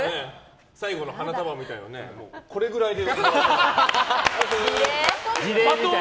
最後の花束みたいなのこれぐらいで。